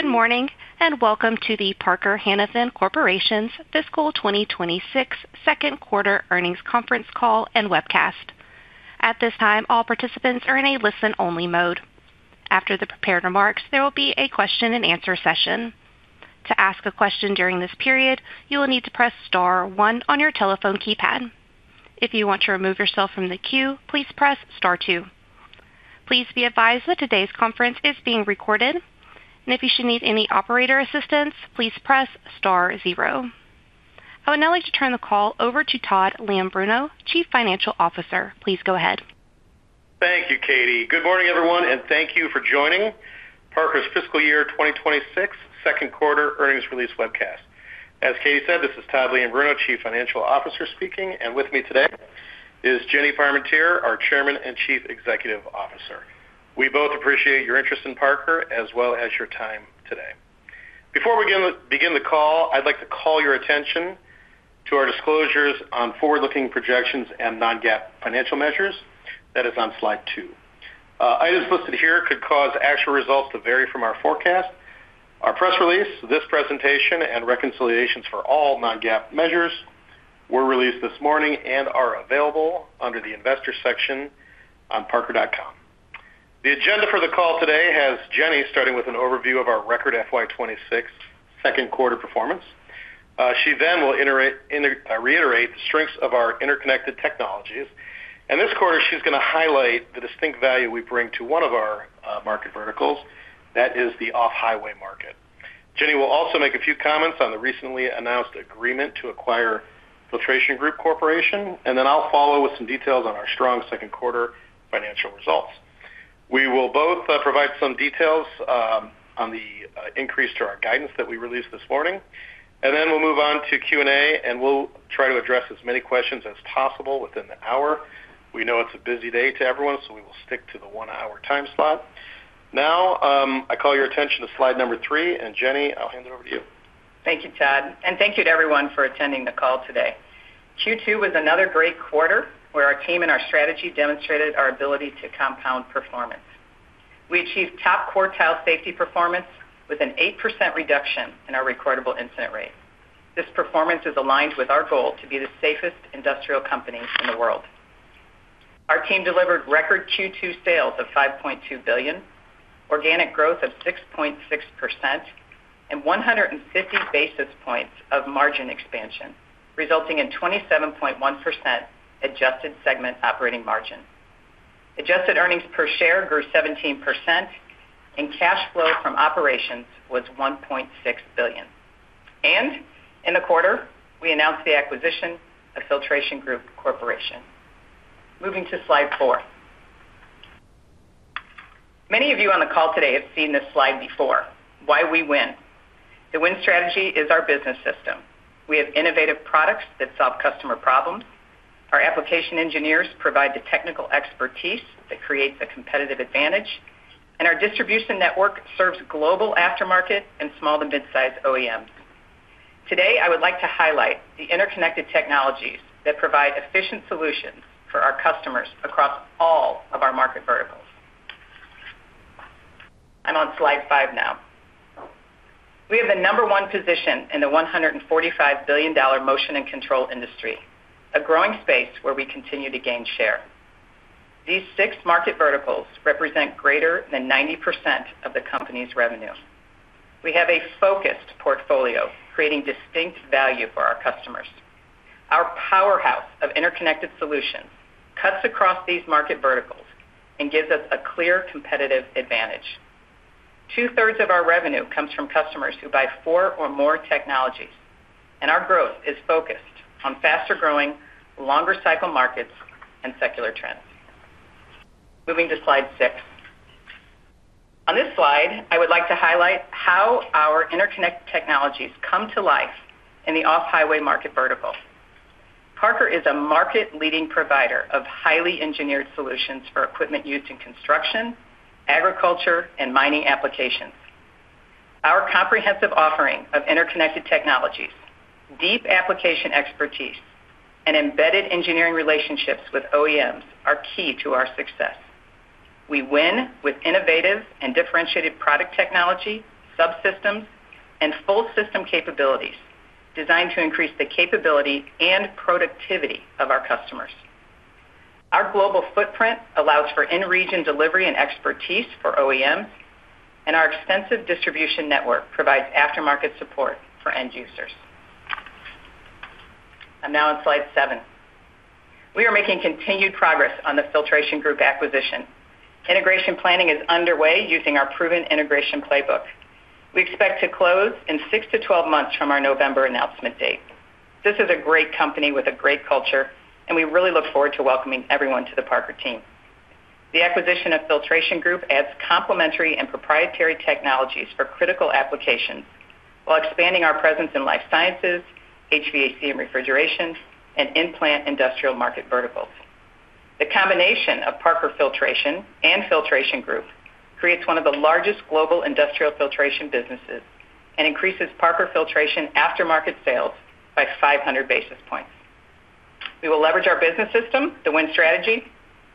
Good morning and welcome to the Parker-Hannifin Corporation's FY 2026 Q2 Earnings Conference Call and Webcast. At this time, all participants are in a listen-only mode. After the prepared remarks, there will be a Q&A session. To ask a question during this period, you will need to press Star one on your telephone keypad. If you want to remove yourself from the queue, please press Star two. Please be advised that today's conference is being recorded, and if you should need any operator assistance, please press Star zero. I would now like to turn the call over to Todd Leombruno, Chief Financial Officer. Please go ahead. Thank you, Katie. Good morning, everyone, and thank you for joining Parker's FY 2026 Q2 Earnings Release Webcast. As Katie said, this is Todd Leombruno, Chief Financial Officer speaking, and with me today is Jenny Parmentier, our Chairman and Chief Executive Officer. We both appreciate your interest in Parker as well as your time today. Before we begin the call, I'd like to call your attention to our disclosures on forward-looking projections and non-GAAP financial measures. That is on Slide 2. Items listed here could cause actual results to vary from our forecast. Our press release, this presentation, and reconciliations for all non-GAAP measures were released this morning and are available under the Investor section on Parker.com. The agenda for the call today has Jenny starting with an overview of our record FY26 Q2 performance. She then will reiterate the strengths of our interconnected technologies. This quarter, she's going to highlight the distinct value we bring to one of our market verticals. That is the off-highway market. Jenny will also make a few comments on the recently announced agreement to acquire Filtration Group Corporation. Then I'll follow with some details on our strong Q2 financial results. We will both provide some details on the increase to our guidance that we released this morning. Then we'll move on to Q&A, and we'll try to address as many questions as possible within the hour. We know it's a busy day to everyone, so we will stick to the one-hour time slot. Now, I call your attention to Slide 3, and Jenny, I'll hand it over to you. Thank you, Todd. And thank you to everyone for attending the call today. Q2 was another great quarter where our team and our strategy demonstrated our ability to compound performance. We achieved top quartile safety performance with an 8% reduction in our recordable incident rate. This performance is aligned with our goal to be the safest industrial company in the world. Our team delivered record Q2 sales of $5.2 billion, Organic Growth of 6.6%, and 150 basis points of margin expansion, resulting in 27.1% Adjusted Segment Operating Margin. Adjusted Earnings Per Share grew 17%, and cash flow from operations was $1.6 billion. In the quarter, we announced the acquisition of Filtration Group Corporation. Moving to Slide 4. Many of you on the call today have seen this slide before: Why We Win. The Win Strategy is our business system. We have innovative products that solve customer problems. Our application engineers provide the technical expertise that creates a competitive advantage. Our distribution network serves global aftermarket and small to mid-size OEMs. Today, I would like to highlight the interconnected technologies that provide efficient solutions for our customers across all of our market verticals. I'm on Slide 5 now. We have the number one position in the $145 billion motion and control industry, a growing space where we continue to gain share. These six market verticals represent greater than 90% of the company's revenue. We have a focused portfolio creating distinct value for our customers. Our powerhouse of interconnected solutions cuts across these market verticals and gives us a clear competitive advantage. Two-thirds of our revenue comes from customers who buy four or more technologies, and our growth is focused on faster-growing, longer-cycle markets and secular trends. Moving to Slide 6. On this slide, I would like to highlight how our interconnected technologies come to life in the off-highway market vertical. Parker is a market-leading provider of highly engineered solutions for equipment used in construction, agriculture, and mining applications. Our comprehensive offering of interconnected technologies, deep application expertise, and embedded engineering relationships with OEMs are key to our success. We win with innovative and differentiated product technology, subsystems, and full system capabilities designed to increase the capability and productivity of our customers. Our global footprint allows for in-region delivery and expertise for OEMs, and our extensive distribution network provides aftermarket support for end users. I'm now on Slide 7. We are making continued progress on the Filtration Group acquisition. Integration planning is underway using our proven integration playbook. We expect to close in 6-12 months from our November announcement date. This is a great company with a great culture, and we really look forward to welcoming everyone to the Parker team. The acquisition of Filtration Group adds complementary and proprietary technologies for critical applications while expanding our presence in life sciences, HVAC and refrigeration, and in-plant industrial market verticals. The combination of Parker Filtration and Filtration Group creates one of the largest global industrial filtration businesses and increases Parker Filtration aftermarket sales by 500 basis points. We will leverage our business system, the Win Strategy,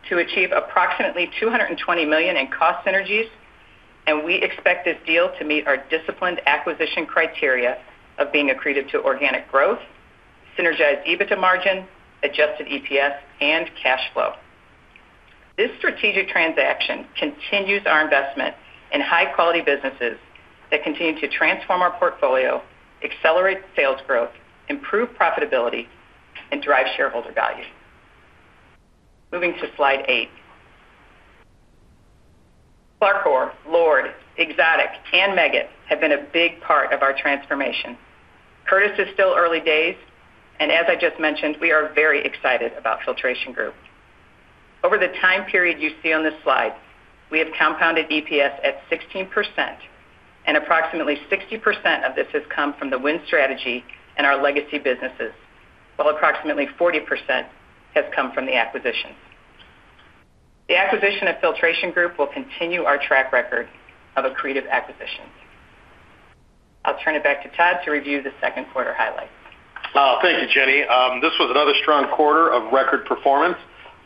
to achieve approximately $220 million in cost synergies, and we expect this deal to meet our disciplined acquisition criteria of being accretive to organic growth, synergized EBITDA margin, adjusted EPS, and cash flow. This strategic transaction continues our investment in high-quality businesses that continue to transform our portfolio, accelerate sales growth, improve profitability, and drive shareholder value. Moving to Slide 8. CLARCOR, LORD, Exotic, and Meggitt have been a big part of our transformation. Curtis is still early days, and as I just mentioned, we are very excited about Filtration Group. Over the time period you see on this slide, we have compounded EPS at 16%, and approximately 60% of this has come from The Win Strategy and our legacy businesses, while approximately 40% has come from the acquisitions. The acquisition of Filtration Group will continue our track record of accretive acquisitions. I'll turn it back to Todd to review the Q2 highlights. Thank you, Jenny. This was another strong quarter of record performance.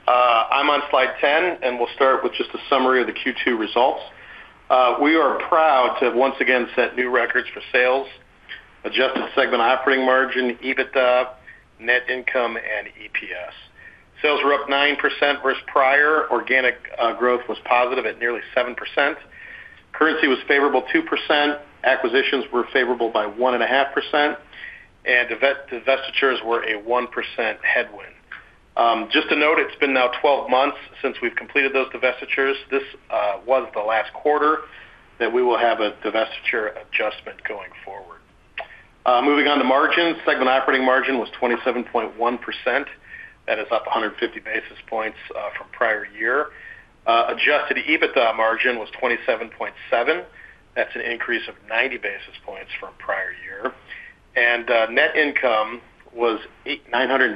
I'm on Slide 10, and we'll start with just a summary of the Q2 results. We are proud to have once again set new records for sales, adjusted segment operating margin, EBITDA, net income, and EPS. Sales were up 9% versus prior. Organic growth was positive at nearly 7%. Currency was favorable 2%. Acquisitions were favorable by 1.5%. And divestitures were a 1% headwind. Just to note, it's been now 12 months since we've completed those divestitures. This was the last quarter that we will have a divestiture adjustment going forward. Moving on to margins. Segment operating margin was 27.1%. That is up 150 basis points from prior year. Adjusted EBITDA margin was 27.7%. That's an increase of 90 basis points from prior year. And net income was $980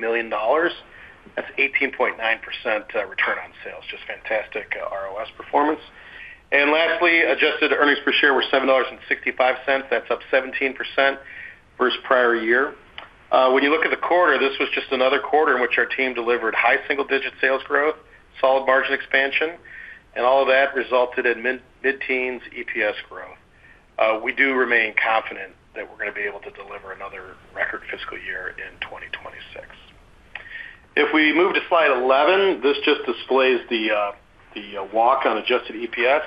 million. That's 18.9% return on sales. Just fantastic ROS performance. Lastly, Adjusted Earnings Per Share were $7.65. That's up 17% versus prior year. When you look at the quarter, this was just another quarter in which our team delivered high single-digit sales growth, solid margin expansion, and all of that resulted in mid-teens EPS growth. We do remain confident that we're going to be able to deliver another record FY in 2026. If we move to Slide 11, this just displays the walk on adjusted EPS.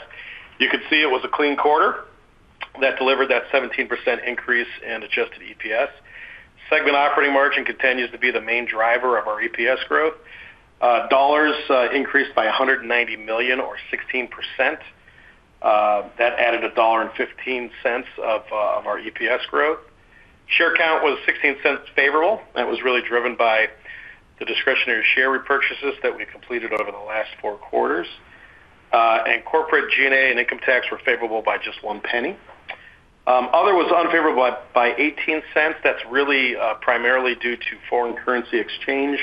You could see it was a clean quarter that delivered that 17% increase in adjusted EPS. Segment operating margin continues to be the main driver of our EPS growth. Dollars increased by $190 million, or 16%. That added $1.15 of our EPS growth. Share count was $0.16 favorable. That was really driven by the discretionary share repurchases that we completed over the last four quarters. Corporate G&A and income tax were favorable by just $0.01. Other was unfavorable by $0.18. That's really primarily due to foreign currency exchange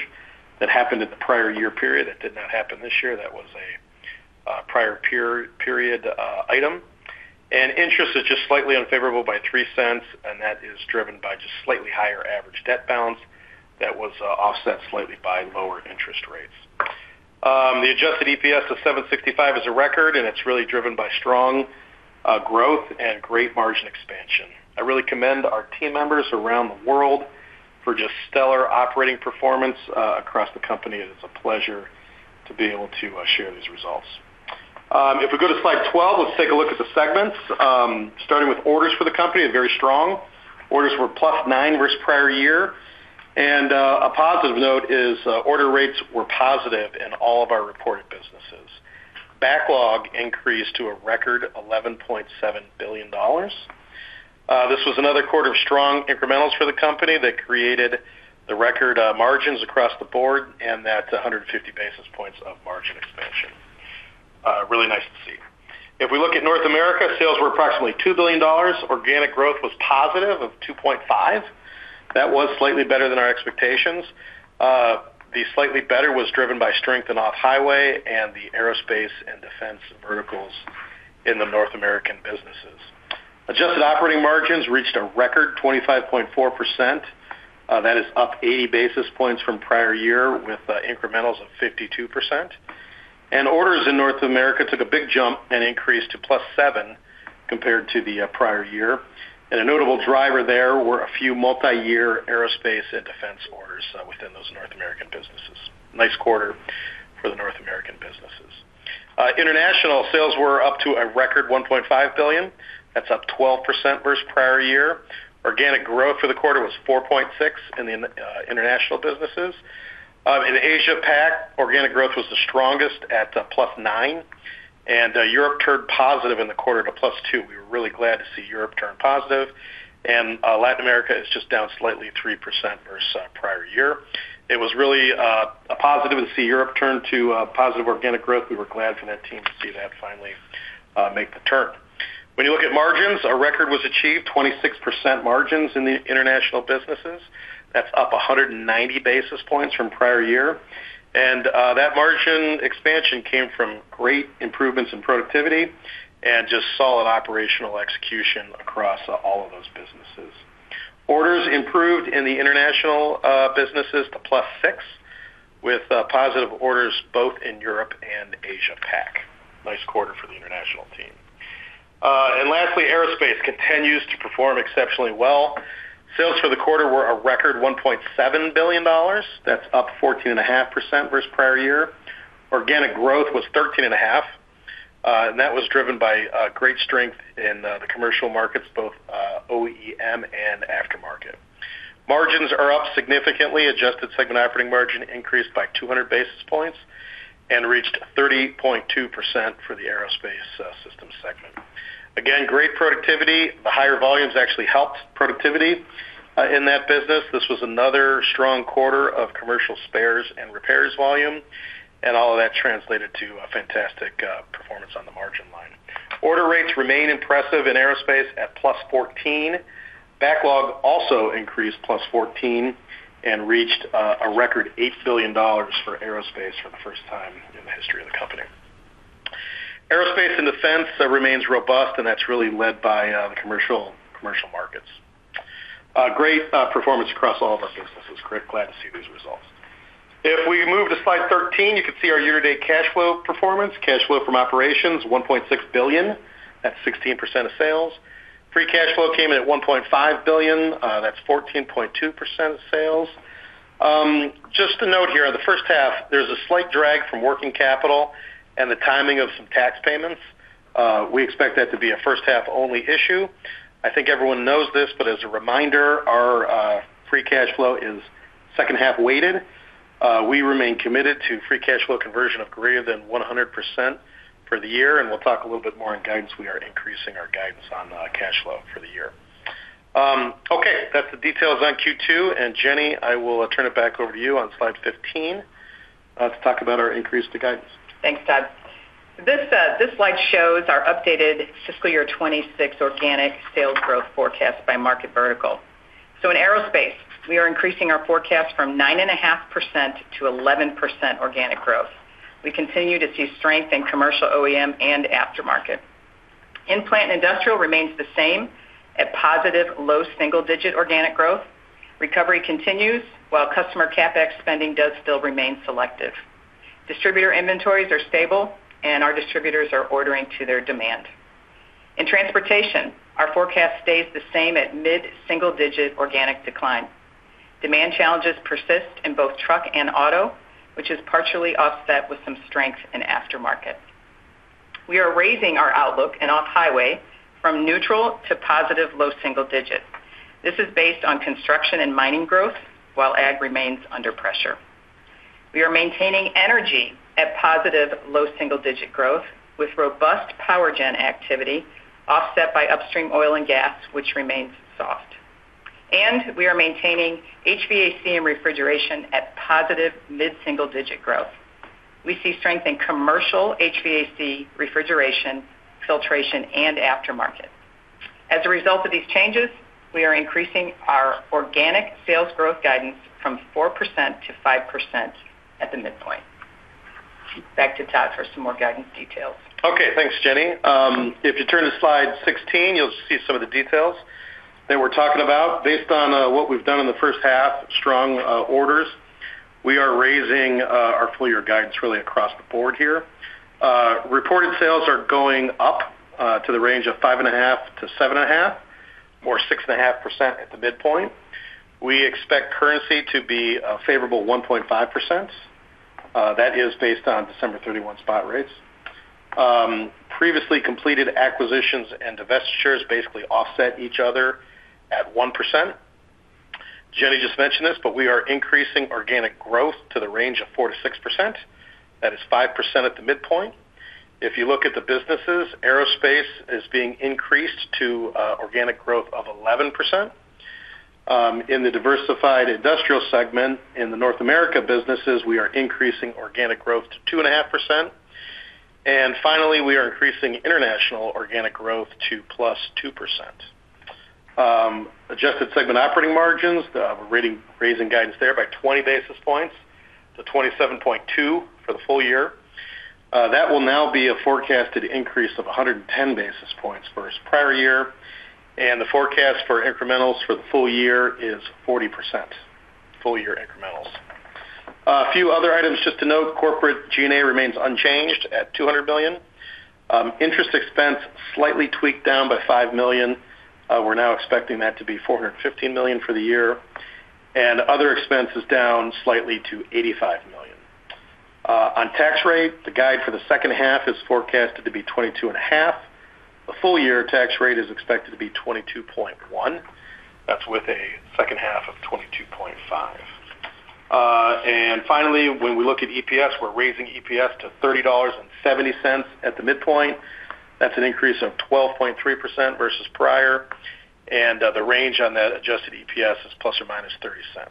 that happened in the prior year period. That did not happen this year. That was a prior period item. And interest is just slightly unfavorable by $0.03, and that is driven by just slightly higher average debt balance that was offset slightly by lower interest rates. The adjusted EPS of $7.65 is a record, and it's really driven by strong growth and great margin expansion. I really commend our team members around the world for just stellar operating performance across the company. It is a pleasure to be able to share these results. If we go to Slide 12, let's take a look at the segments. Starting with orders for the company, very strong. Orders were +9 versus prior year. A positive note is order rates were positive in all of our reported businesses. Backlog increased to a record $11.7 billion. This was another quarter of strong incrementals for the company that created the record margins across the board, and that's 150 basis points of margin expansion. Really nice to see. If we look at North America, sales were approximately $2 billion. Organic growth was positive of 2.5%. That was slightly better than our expectations. The slightly better was driven by strength in off-highway and the aerospace and defense verticals in the North American businesses. Adjusted operating margins reached a record 25.4%. That is up 80 basis points from prior year with incrementals of 52%. Orders in North America took a big jump and increased to +7% compared to the prior year. A notable driver there were a few multi-year aerospace and defense orders within those North American businesses. Nice quarter for the North American businesses. International sales were up to a record $1.5 billion. That's up 12% versus prior year. Organic growth for the quarter was 4.6% in the international businesses. In Asia-Pac, organic growth was the strongest at +9%. Europe turned positive in the quarter to +2%. We were really glad to see Europe turn positive. Latin America is just down slightly 3% versus prior year. It was really a positive to see Europe turn to positive organic growth. We were glad for that team to see that finally make the turn. When you look at margins, a record was achieved, 26% margins in the international businesses. That's up 190 basis points from prior year. That margin expansion came from great improvements in productivity and just solid operational execution across all of those businesses. Orders improved in the international businesses to +6% with positive orders both in Europe and Asia-Pac. Nice quarter for the international team. Lastly, aerospace continues to perform exceptionally well. Sales for the quarter were a record $1.7 billion. That's up 14.5% versus prior year. Organic growth was 13.5%. That was driven by great strength in the commercial markets, both OEM and aftermarket. Margins are up significantly. Adjusted segment operating margin increased by 200 basis points and reached 30.2% for the Aerospace Systems segment. Again, great productivity. The higher volumes actually helped productivity in that business. This was another strong quarter of commercial spares and repairs volume. All of that translated to fantastic performance on the margin line. Order rates remain impressive in aerospace at +14%. Backlog also increased +14% and reached a record $8 billion for aerospace for the first time in the history of the company. Aerospace and defense remains robust, and that's really led by the commercial markets. Great performance across all of our businesses. Glad to see these results. If we move to Slide 13, you can see our year-to-date cash flow performance. Cash flow from operations, $1.6 billion. That's 16% of sales. Free cash flow came in at $1.5 billion. That's 14.2% of sales. Just to note here, the H1, there's a slight drag from working capital and the timing of some tax payments. We expect that to be a first-half-only issue. I think everyone knows this, but as a reminder, our free cash flow is second-half weighted. We remain committed to free cash flow conversion of greater than 100% for the year. We'll talk a little bit more in guidance. We are increasing our guidance on cash flow for the year. Okay. That's the details on Q2. And Jenny, I will turn it back over to you on Slide 15 to talk about our increase to guidance. Thanks, Todd. This slide shows our updated FY 2026 organic sales growth forecast by market vertical. So in aerospace, we are increasing our forecast from 9.5%-11% organic growth. We continue to see strength in commercial OEM and aftermarket. In-plant and industrial remains the same at positive low single-digit organic growth. Recovery continues while customer CapEx spending does still remain selective. Distributor inventories are stable, and our distributors are ordering to their demand. In transportation, our forecast stays the same at mid-single-digit organic decline. Demand challenges persist in both truck and auto, which is partially offset with some strength in aftermarket. We are raising our outlook in off-highway from neutral to positive low single digit. This is based on construction and mining growth while ag remains under pressure. We are maintaining energy at positive low single-digit growth with robust power gen activity offset by upstream oil and gas, which remains soft. We are maintaining HVAC and refrigeration at positive mid-single-digit growth. We see strength in commercial HVAC, refrigeration, filtration, and aftermarket. As a result of these changes, we are increasing our organic sales growth guidance from 4%-5% at the midpoint. Back to Todd for some more guidance details. Okay. Thanks, Jenny. If you turn to Slide 16, you'll see some of the details that we're talking about. Based on what we've done in the H1, strong orders, we are raising our full-year guidance really across the board here. Reported sales are going up to the range of 5.5%-7.5%, or 6.5% at the midpoint. We expect currency to be a favorable 1.5%. That is based on December 31 spot rates. Previously completed acquisitions and divestitures basically offset each other at 1%. Jenny just mentioned this, but we are increasing organic growth to the range of 4%-6%. That is 5% at the midpoint. If you look at the businesses, Aerospace is being increased to organic growth of 11%. In the Diversified Industrial segment, in the North America businesses, we are increasing organic growth to 2.5%. And finally, we are increasing international organic growth to +2%. Adjusted segment operating margins, we're raising guidance there by 20 basis points to 27.2% for the full year. That will now be a forecasted increase of 110 basis points versus prior year. The forecast for incrementals for the full year is 40%, full-year incrementals. A few other items just to note. Corporate G&A remains unchanged at $200 million. Interest expense slightly tweaked down by $5 million. We're now expecting that to be $415 million for the year. Other expenses down slightly to $85 million. On tax rate, the guide for the H2 is forecasted to be 22.5%. The full-year tax rate is expected to be 22.1%. That's with a H2 of 22.5%. And finally, when we look at EPS, we're raising EPS to $30.70 at the midpoint. That's an increase of 12.3% versus prior. The range on that adjusted EPS is ±30 cents.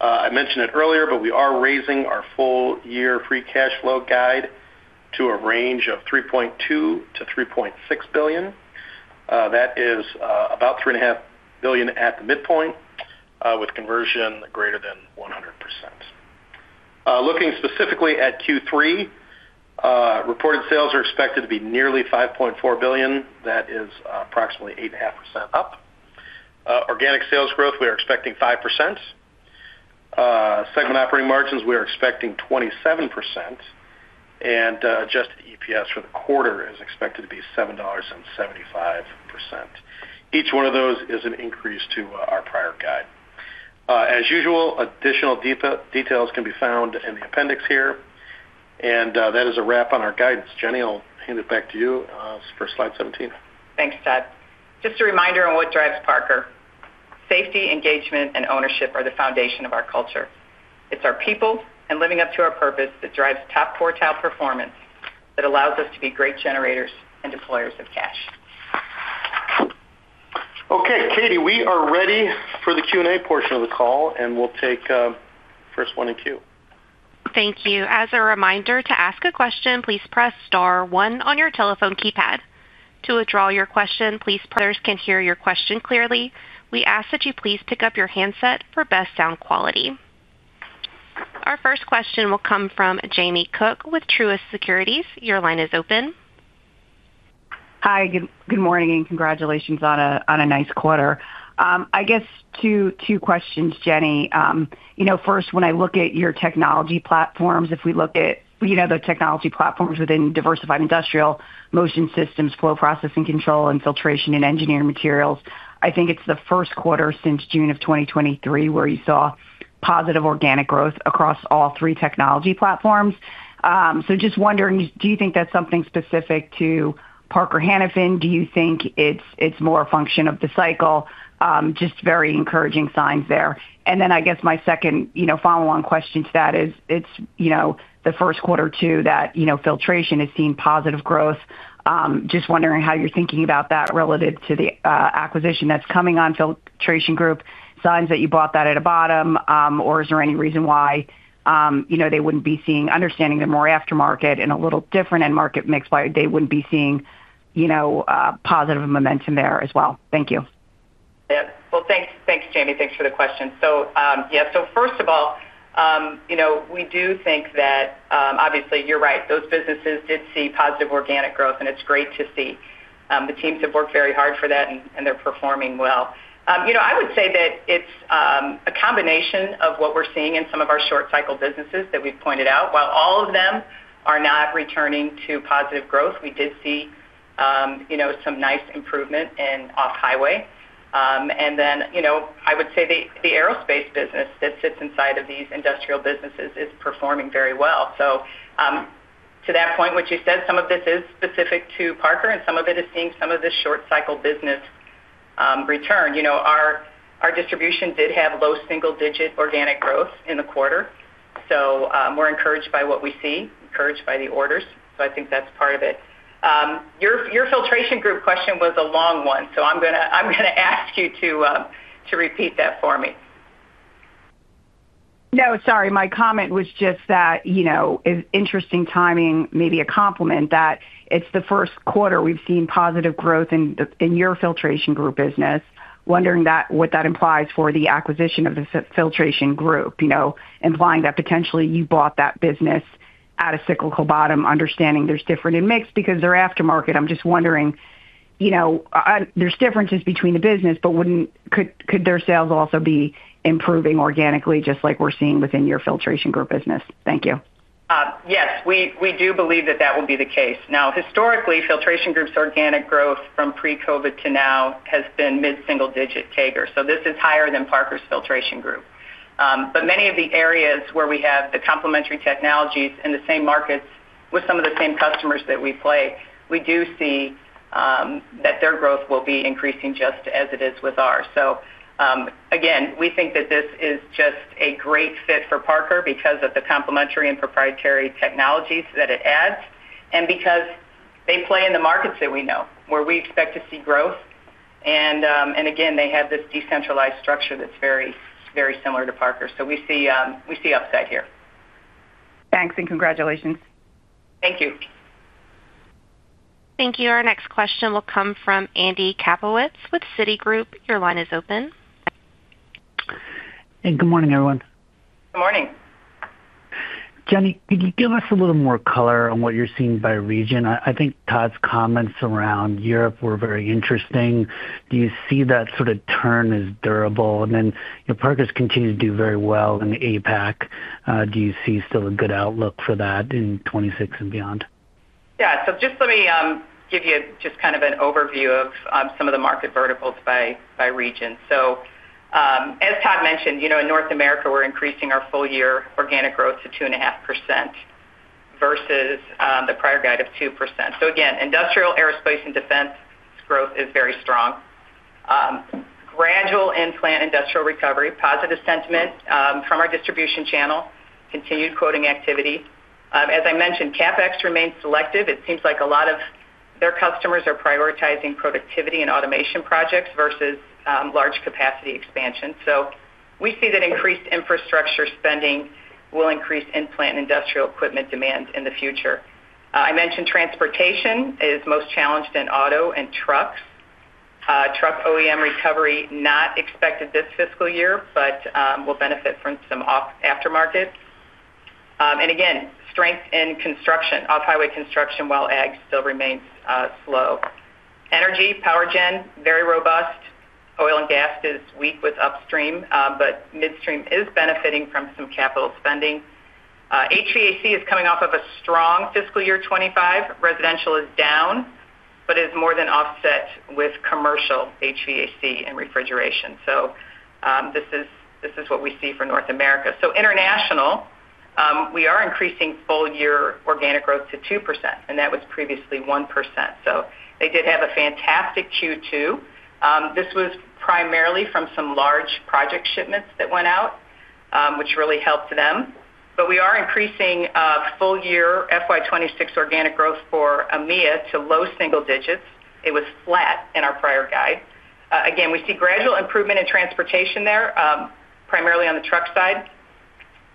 I mentioned it earlier, but we are raising our full-year free cash flow guide to a range of $3.2 billion-$3.6 billion. That is about $3.5 billion at the midpoint with conversion greater than 100%. Looking specifically at Q3, reported sales are expected to be nearly $5.4 billion. That is approximately 8.5% up. Organic sales growth, we are expecting 5%. Segment operating margins, we are expecting 27%. And adjusted EPS for the quarter is expected to be $7.75. Each one of those is an increase to our prior guide. As usual, additional details can be found in the appendix here. And that is a wrap on our guidance. Jenny, I'll hand it back to you for Slide 17. Thanks, Todd. Just a reminder on what drives Parker. Safety, engagement, and ownership are the foundation of our culture. It's our people and living up to our purpose that drives top quartile performance that allows us to be great generators and deployers of cash. Okay. Katie, we are ready for the Q&A portion of the call, and we'll take first one in queue. Thank you. As a reminder, to ask a question, please press star one on your telephone keypad. To withdraw your question, please press star two. Others can hear your question clearly. We ask that you please pick up your handset for best sound quality. Our first question will come from Jamie Cook with Truist Securities. Your line is open. Hi. Good morning and congratulations on a nice quarter. I guess two questions, Jenny. First, when I look at your technology platforms, if we look at the technology platforms within Diversified Industrial, Motion Systems, Flow Process Control, and Filtration and Engineered Materials, I think it's the Q1 since June of 2023 where you saw positive organic growth across all three technology platforms. So just wondering, do you think that's something specific to Parker-Hannifin? Do you think it's more a function of the cycle? Just very encouraging signs there. And then I guess my second follow-on question to that is it's the Q1 too that Filtration has seen positive growth. Just wondering how you're thinking about that relative to the acquisition that's coming on Filtration Group. Since you bought that at a bottom, or is there any reason why they wouldn't be seeing, understanding the more aftermarket and a little different end market mix why they wouldn't be seeing positive momentum there as well? Thank you. Thanks, Jamie. Thanks for the question. So first of all, we do think that obviously you're right. Those businesses did see positive organic growth, and it's great to see. The teams have worked very hard for that, and they're performing well. I would say that it's a combination of what we're seeing in some of our short-cycle businesses that we've pointed out. While all of them are not returning to positive growth, we did see some nice improvement in off-highway. And then I would say the aerospace business that sits inside of these industrial businesses is performing very well. So to that point, what you said, some of this is specific to Parker, and some of it is seeing some of the short-cycle business return. Our distribution did have low single-digit organic growth in the quarter. So we're encouraged by what we see, encouraged by the orders. So I think that's part of it. Your Filtration Group question was a long one, so I'm going to ask you to repeat that for me. No, sorry. My comment was just that interesting timing, maybe a compliment, that it's the Q1 we've seen positive growth in your Filtration Group business. Wondering what that implies for the acquisition of the Filtration Group, implying that potentially you bought that business at a cyclical bottom, understanding there's different in mix because they're aftermarket. I'm just wondering, there's differences between the business, but could their sales also be improving organically just like we're seeing within your Filtration Group business? Thank you. Yes. We do believe that that will be the case. Now, historically, Filtration Group's organic growth from pre-COVID to now has been mid-single-digit CAGR. So this is higher than Parker's Filtration Group. But many of the areas where we have the complementary technologies in the same markets with some of the same customers that we play, we do see that their growth will be increasing just as it is with ours. So again, we think that this is just a great fit for Parker because of the complementary and proprietary technologies that it adds and because they play in the markets that we know where we expect to see growth. And again, they have this decentralized structure that's very, very similar to Parker. So we see upside here. Thanks and congratulations. Thank you. Thank you. Our next question will come from Andy Kaplowitz with Citi. Your line is open. Hey, good morning, everyone. Good morning. Jenny, could you give us a little more color on what you're seeing by region? I think Todd's comments around Europe were very interesting. Do you see that sort of turn as durable? And then Parker's continued to do very well in the APAC. Do you see still a good outlook for that in 2026 and beyond? So just let me give you just kind of an overview of some of the market verticals by region. So as Todd mentioned, in North America, we're increasing our full-year organic growth to 2.5% versus the prior guide of 2%. So again, industrial, aerospace, and defense growth is very strong. Gradual in-plant industrial recovery, positive sentiment from our distribution channel, continued quoting activity. As I mentioned, CapEx remains selective. It seems like a lot of their customers are prioritizing productivity and automation projects versus large capacity expansion. So we see that increased infrastructure spending will increase in-plant industrial equipment demand in the future. I mentioned transportation is most challenged in auto and trucks. Truck OEM recovery not expected this FY, but will benefit from some aftermarket. And again, strength in construction, off-highway construction while ag still remains slow. Energy, power gen, very robust. Oil and gas is weak with upstream, but midstream is benefiting from some capital spending. HVAC is coming off of a strong FY 2025. Residential is down, but is more than offset with commercial HVAC and refrigeration. So this is what we see for North America. So international, we are increasing full-year organic growth to 2%, and that was previously 1%. So they did have a fantastic Q2. This was primarily from some large project shipments that went out, which really helped them. But we are increasing full-year FY26 organic growth for AMEA to low single digits. It was flat in our prior guide. Again, we see gradual improvement in transportation there, primarily on the truck side.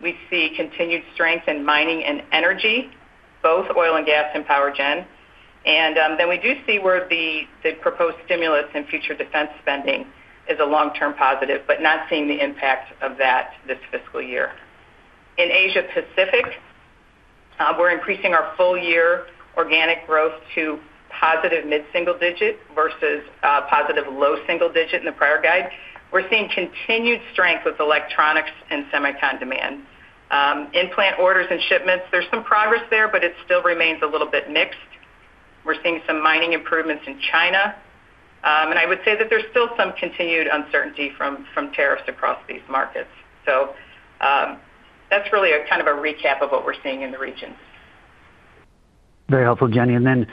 We see continued strength in mining and energy, both oil and gas and power gen. Then we do see where the proposed stimulus in future defense spending is a long-term positive, but not seeing the impact of that this FY. In Asia-Pacific, we're increasing our full-year organic growth to positive mid-single digit versus positive low single digit in the prior guide. We're seeing continued strength with electronics and semiconductor demand. In-plant orders and shipments, there's some progress there, but it still remains a little bit mixed. We're seeing some mining improvements in China. I would say that there's still some continued uncertainty from tariffs across these markets. That's really a kind of a recap of what we're seeing in the region. Very helpful, Jenny. And then,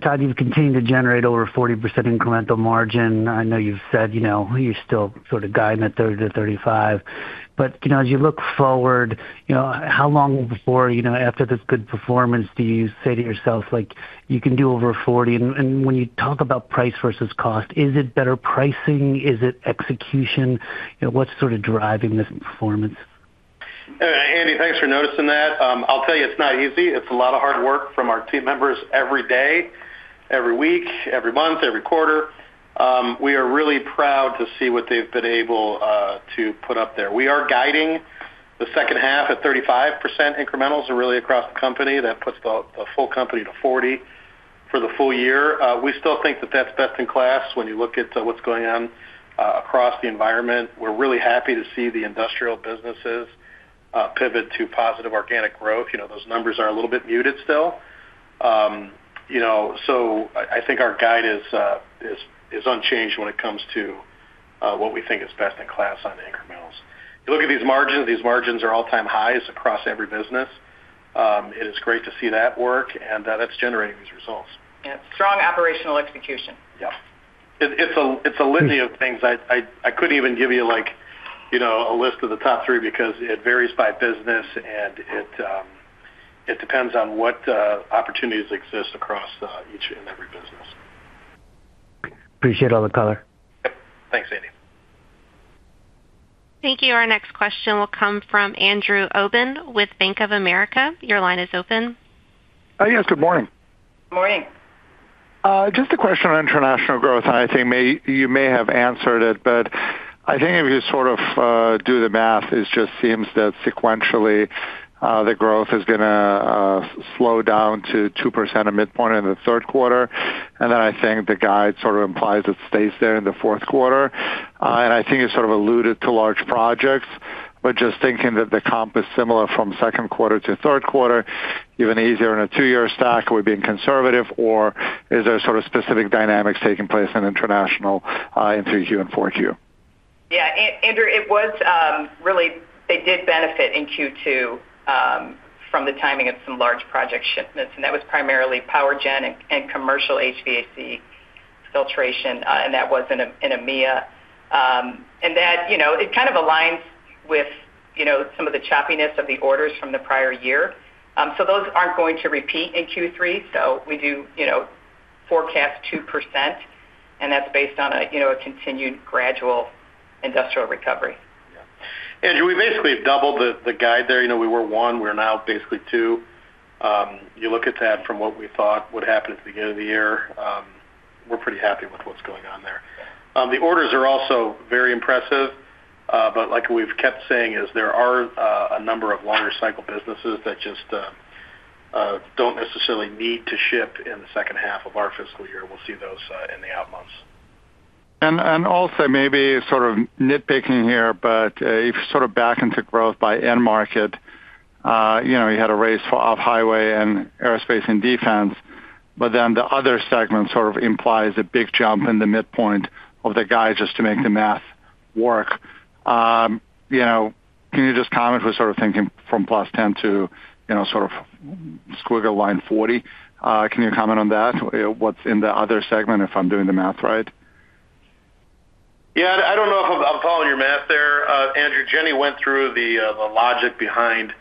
Todd, you've continued to generate over 40% incremental margin. I know you've said you still sort of guide that 30%-35%. But as you look forward, how long before after this good performance do you say to yourself, "You can do over 40%"? And when you talk about price versus cost, is it better pricing? Is it execution? What's sort of driving this performance? Hey, Andy, thanks for noticing that. I'll tell you, it's not easy. It's a lot of hard work from our team members every day, every week, every month, every quarter. We are really proud to see what they've been able to put up there. We are guiding the H2 at 35% incrementals really across the company. That puts the full company to 40% for the full year. We still think that that's best in class when you look at what's going on across the environment. We're really happy to see the industrial businesses pivot to positive organic growth. Those numbers are a little bit muted still. So I think our guide is unchanged when it comes to what we think is best in class on incrementals. You look at these margins, these margins are all-time highs across every business. It is great to see that work, and that's generating these results. Strong operational execution. It's a litany of things. I couldn't even give you a list of the top three because it varies by business, and it depends on what opportunities exist across each and every business. Appreciate all the color. Thanks, Andy. Thank you. Our next question will come from Andrew Obin with Bank of America. Your line is open. Yes. Good morning. Good morning. Just a question on international growth. I think you may have answered it, but I think if you sort of do the math, it just seems that sequentially the growth is going to slow down to 2% at midpoint in the Q3. Then I think the guide sort of implies it stays there in the Q4. I think it's sort of alluded to large projects, but just thinking that the comp is similar from Q2 to Q3, even easier in a two-year stack, we're being conservative, or is there sort of specific dynamics taking place in international in 3Q and 4Q? Andrew, it was really they did benefit in Q2 from the timing of some large project shipments, and that was primarily power gen and commercial HVAC filtration, and that was in AMEA. And that it kind of aligns with some of the choppiness of the orders from the prior year. So those aren't going to repeat in Q3. So we do forecast 2%, and that's based on a continued gradual industrial recovery. Andrew, we basically doubled the guide there. We were one. We're now basically two. You look at that from what we thought would happen at the beginning of the year, we're pretty happy with what's going on there. The orders are also very impressive, but like we've kept saying, there are a number of longer-cycle businesses that just don't necessarily need to ship in the H2 of our FY. We'll see those in the out months. And also maybe sort of nitpicking here, but if you sort of back into growth by end market, you had a raise for off-highway and aerospace and defense, but then the other segment sort of implies a big jump in the midpoint of the guide just to make the math work. Can you just comment? We're sort of thinking from +10 to sort of ~40. Can you comment on that? What's in the other segment if I'm doing the math right? I don't know if I'm following your math there. Andrew, Jenny went through the logic behind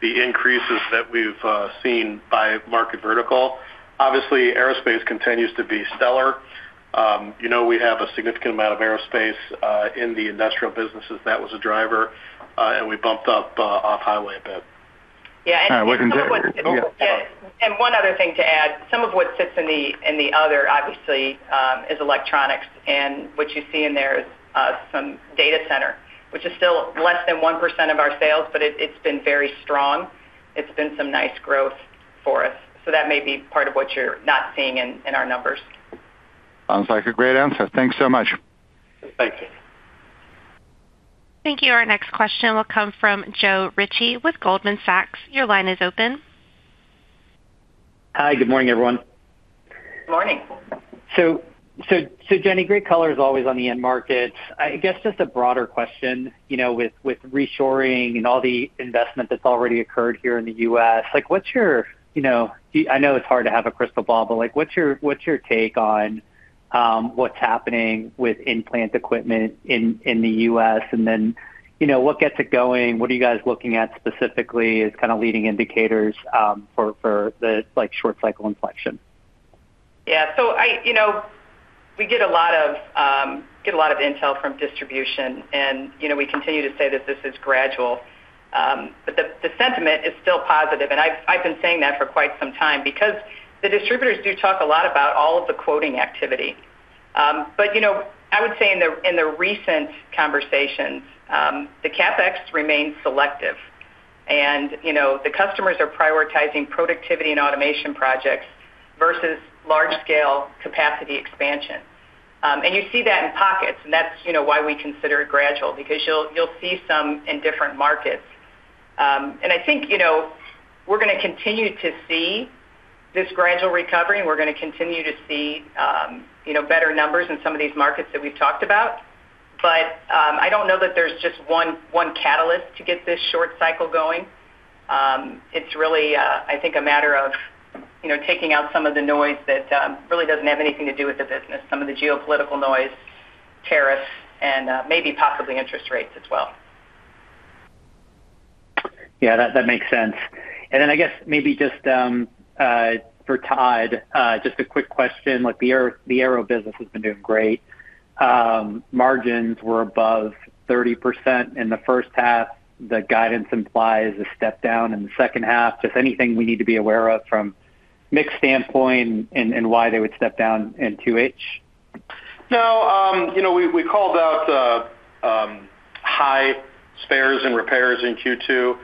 the increases that we've seen by market vertical. Obviously, aerospace continues to be stellar. We have a significant amount of aerospace in the industrial businesses. That was a driver, and we bumped up off-highway a bit. All right, continue. One other thing to add. Some of what sits in the other, obviously, is electronics, and what you see in there is some data center, which is still less than 1% of our sales, but it's been very strong. It's been some nice growth for us. That may be part of what you're not seeing in our numbers. Sounds like a great answer. Thanks so much. Thank you. Thank you. Our next question will come from Joe Ritchie with Goldman Sachs. Your line is open. Hi. Good morning, everyone. Good morning. So Jenny, great color is always on the end markets. I guess just a broader question with reshoring and all the investment that's already occurred here in the U.S. What's your-I know it's hard to have a crystal ball, but what's your take on what's happening with in-plant equipment in the U.S.? And then what gets it going? What are you guys looking at specifically as kind of leading indicators for the short-cycle inflection? So we get a lot of intel from distribution, and we continue to say that this is gradual. But the sentiment is still positive, and I've been saying that for quite some time because the distributors do talk a lot about all of the quoting activity. But I would say in the recent conversations, the CapEx remains selective, and the customers are prioritizing productivity and automation projects versus large-scale capacity expansion. And you see that in pockets, and that's why we consider it gradual because you'll see some in different markets. And I think we're going to continue to see this gradual recovery, and we're going to continue to see better numbers in some of these markets that we've talked about. But I don't know that there's just one catalyst to get this short cycle going. It's really, I think, a matter of taking out some of the noise that really doesn't have anything to do with the business, some of the geopolitical noise, tariffs, and maybe possibly interest rates as well. That makes sense. I guess maybe just for Todd, just a quick question. The aero business has been doing great. Margins were above 30% in the H1. The guidance implies a step down in the H2. Just anything we need to be aware of from a mixed standpoint and why they would step down in 2H? No. We called out high spares and repairs in Q2.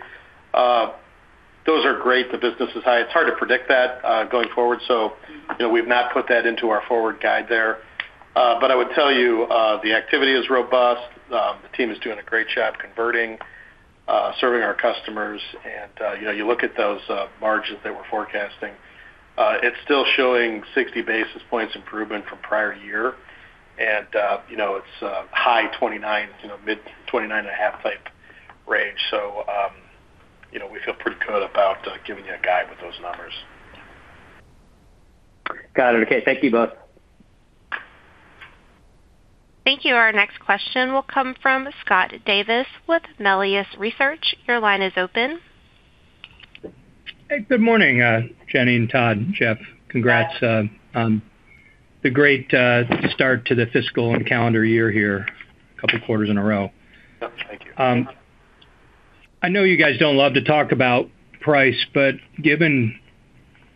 Those are great. The business is high. It's hard to predict that going forward, so we've not put that into our forward guide there. But I would tell you the activity is robust. The team is doing a great job converting, serving our customers. And you look at those margins that we're forecasting, it's still showing 60 basis points improvement from prior year, and it's high 29, mid 29.5-type range. So we feel pretty good about giving you a guide with those numbers. Got it. Okay. Thank you both. Thank you. Our next question will come from Scott Davis with Melius Research. Your line is open. Hey. Good morning, Jenny and Todd and Jeff. Congrats on the great start to the FY and calendar year here, a couple of quarters in a row. Yep. Thank you. I know you guys don't love to talk about price, but given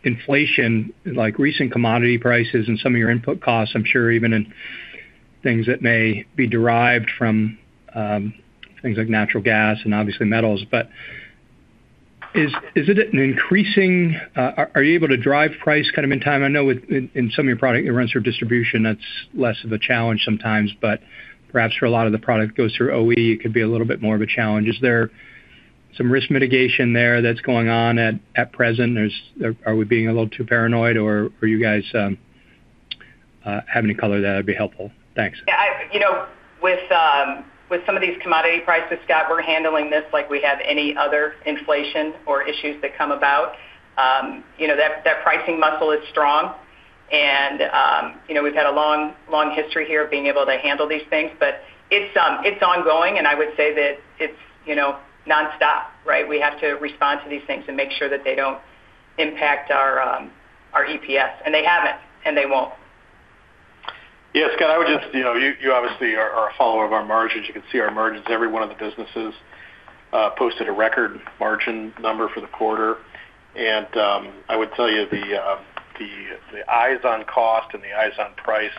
inflation, like recent commodity prices and some of your input costs, I'm sure even in things that may be derived from things like natural gas and obviously metals, but is it an increasing, are you able to drive price kind of in time? I know in some of your product, it runs through distribution. That's less of a challenge sometimes, but perhaps for a lot of the product that goes through OE, it could be a little bit more of a challenge. Is there some risk mitigation there that's going on at present? Are we being a little too paranoid, or are you guys have any color that would be helpful? Thanks. With some of these commodity prices, Scott, we're handling this like we have any other inflation or issues that come about. That pricing muscle is strong, and we've had a long history here of being able to handle these things, but it's ongoing, and I would say that it's nonstop, right? We have to respond to these things and make sure that they don't impact our EPS, and they haven't, and they won't. Scott, I would just, you obviously are a follower of our margins. You can see our margins. Every one of the businesses posted a record margin number for the quarter. And I would tell you the eyes on cost and the eyes on price,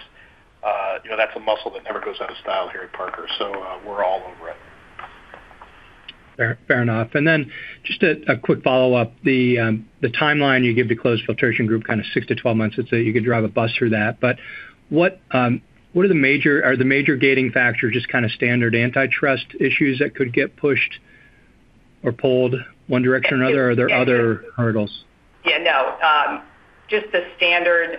that's a muscle that never goes out of style here at Parker. So we're all over it. Fair enough. And then just a quick follow-up. The timeline you give to closing Filtration Group, kind of 6-12 months, it's that you could drive a bus through that. But what are the major, are the major gating factors just kind of standard antitrust issues that could get pushed or pulled one direction or another? Are there other hurdles? No. Just the standard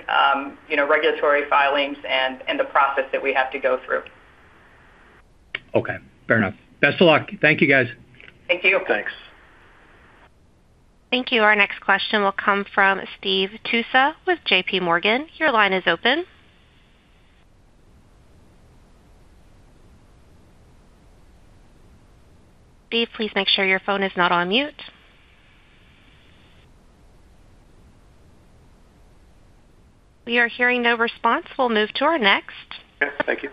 regulatory filings and the process that we have to go through. Okay. Fair enough. Best of luck. Thank you, guys. Thank you. Thanks. Thank you. Our next question will come from Steve Tusa with JPMorgan. Your line is open. Steve, please make sure your phone is not on mute. We are hearing no response. We'll move to our next. Thank you.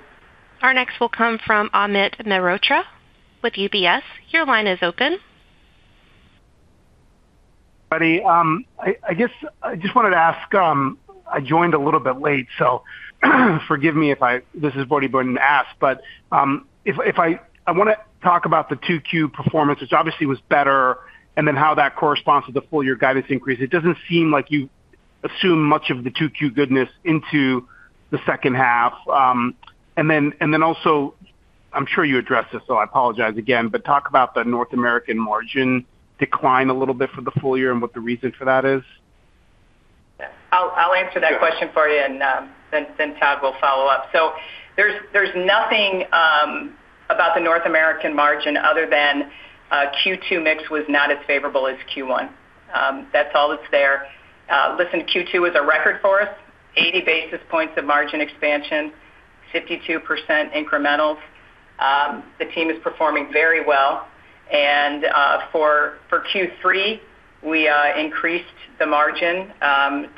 Our next will come from Amit Mehrotra with UBS. Your line is open. I guess I just wanted to ask, I joined a little bit late, so forgive me if I, this is Amit Mehrotra asking, but if I want to talk about the 2Q performance, which obviously was better, and then how that corresponds to the full year guidance increase, it doesn't seem like you assume much of the 2Q goodness into the H2. And then also, I'm sure you addressed this, so I apologize again, but talk about the North American margin decline a little bit for the full year and what the reason for that is. I'll answer that question for you, and then Todd will follow up. So there's nothing about the North American margin other than Q2 mix was not as favorable as Q1. That's all that's there. Listen, Q2 is a record for us, 80 basis points of margin expansion, 52% incrementals. The team is performing very well. And for Q3, we increased the margin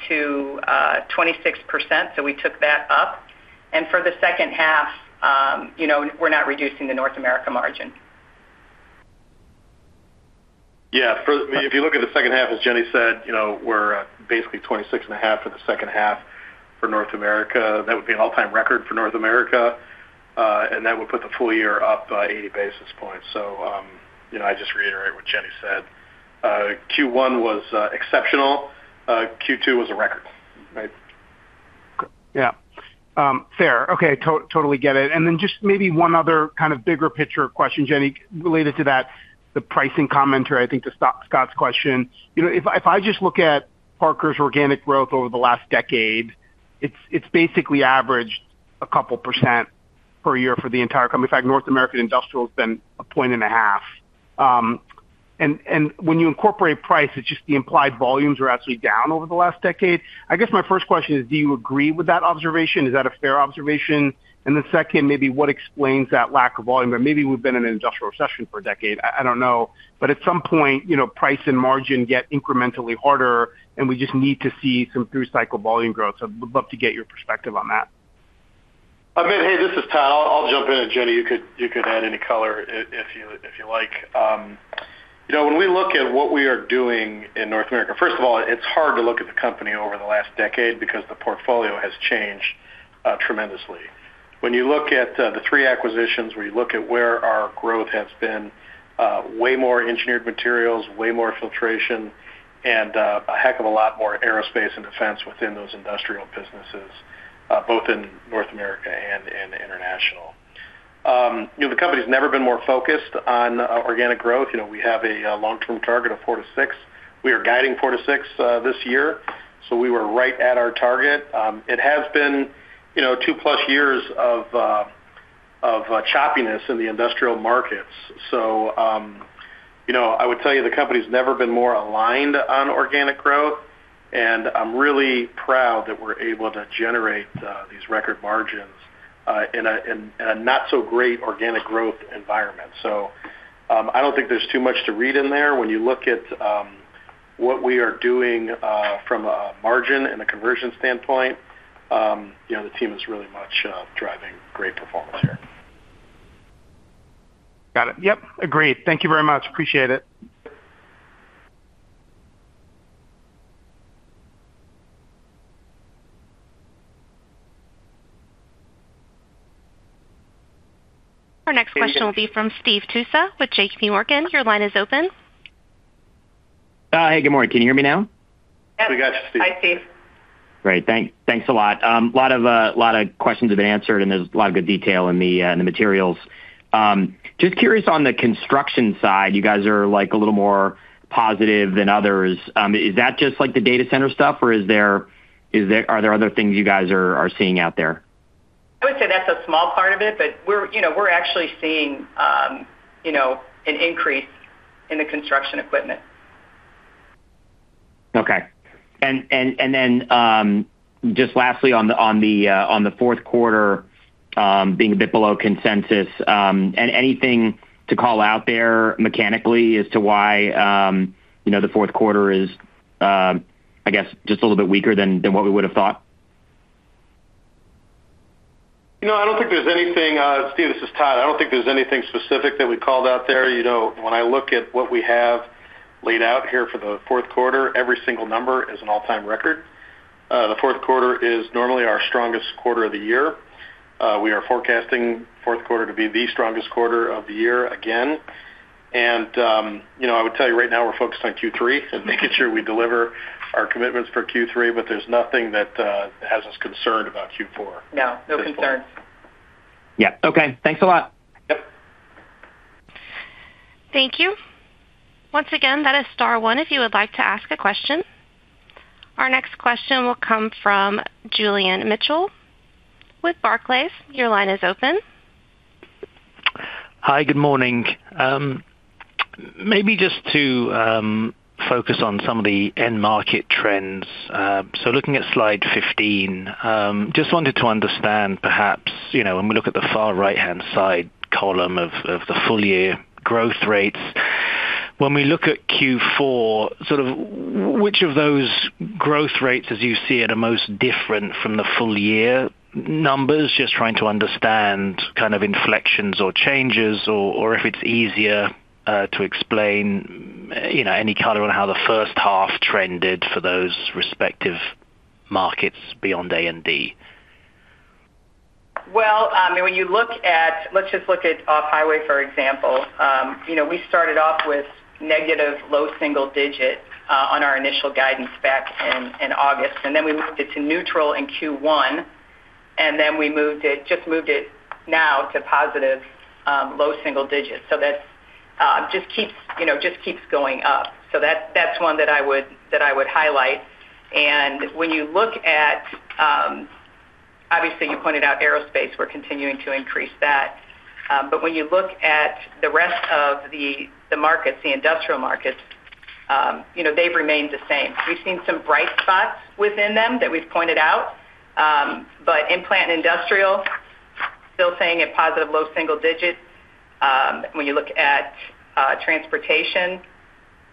to 26%, so we took that up. And for the H2, we're not reducing the North America margin. If you look at the H2, as Jenny said, we're basically 26.5 for the H2 for North America. That would be an all-time record for North America, and that would put the full year up by 80 basis points. So I just reiterate what Jenny said. Q1 was exceptional. Q2 was a record, right? Fair. Totally get it. And then just maybe one other kind of bigger picture question, Jenny, related to that, the pricing commentary, I think, to Scott's question. If I just look at Parker's organic growth over the last decade, it's basically averaged a couple% per year for the entire company. In fact, North American Industrial has been 1.5. And when you incorporate price, it's just the implied volumes are actually down over the last decade. I guess my first question is, do you agree with that observation? Is that a fair observation? And then second, maybe what explains that lack of volume? But maybe we've been in an industrial recession for a decade. I don't know. But at some point, price and margin get incrementally harder, and we just need to see some through cycle volume growth. So I would love to get your perspective on that. Amit, hey, this is Todd. I'll jump in, and Jenny, you could add any color if you like. When we look at what we are doing in North America, first of all, it's hard to look at the company over the last decade because the portfolio has changed tremendously. When you look at the three acquisitions, when you look at where our growth has been, way more Engineering Materials, way more Filtration, and a heck of a lot more aerospace and defense within those industrial businesses, both in North America and International. The company's never been more focused on organic growth. We have a long-term target of 4-6. We are guiding 4-6 this year, so we were right at our target. It has been 2+ years of choppiness in the industrial markets. So I would tell you the company's never been more aligned on organic growth, and I'm really proud that we're able to generate these record margins in a not-so-great organic growth environment. So I don't think there's too much to read in there. When you look at what we are doing from a margin and a conversion standpoint, the team is really much driving great performance here. Got it. Yep. Agreed. Thank you very much. Appreciate it. Our next question will be from Stephen Tusa with JPMorgan. Your line is open. Hey. Good morning. Can you hear me now? Yes. We got you, Steve. I see. Great. Thanks a lot. A lot of questions have been answered, and there's a lot of good detail in the materials. Just curious on the construction side, you guys are a little more positive than others. Is that just the data center stuff, or are there other things you guys are seeing out there? I would say that's a small part of it, but we're actually seeing an increase in the construction equipment. Okay. And then just lastly, on the Q4, being a bit below consensus, anything to call out there mechanically as to why the Q4 is, I guess, just a little bit weaker than what we would have thought? I don't think there's anything, Steve, this is Todd. I don't think there's anything specific that we called out there. When I look at what we have laid out here for the Q4, every single number is an all-time record. The Q4 is normally our strongest quarter of the year. We are forecasting the Q4 to be the strongest quarter of the year again. I would tell you right now we're focused on Q3 and making sure we deliver our commitments for Q3, but there's nothing that has us concerned about Q4. No concerns. Thanks a lot. Yep. Thank you. Once again, that is Star One if you would like to ask a question. Our next question will come from Julian Mitchell with Barclays. Your line is open. Hi. Good morning. Maybe just to focus on some of the end market trends. So looking at Slide 15, just wanted to understand, perhaps, when we look at the far right-hand side column of the full year growth rates, when we look at Q4, sort of which of those growth rates as you see it are most different from the full year numbers? Just trying to understand kind of inflections or changes or if it's easier to explain any color on how the H1 trended for those respective markets beyond A and D. I mean, when you look at, let's just look at off-highway, for example. We started off with negative low single-digit on our initial guidance back in August, and then we moved it to neutral in Q1, and then we just moved it now to positive low single-digit. So that just keeps going up. So that's one that I would highlight. And when you look at, obviously, you pointed out aerospace. We're continuing to increase that. But when you look at the rest of the markets, the industrial markets, they've remained the same. We've seen some bright spots within them that we've pointed out, but in-plant industrial, still seeing a positive low single-digit. When you look at transportation,